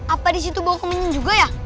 apa disitu bawa kemenyan juga ya